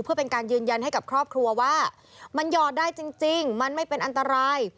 เพื่อเป็นการยืนยันให้กับครอบครัวว่ามันหยอดได้จริงมันไม่เป็นอันตราย